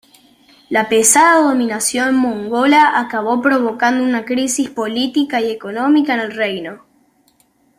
La pesada dominación mongola acabó provocando una crisis política y económica en el reino.